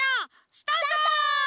スタート！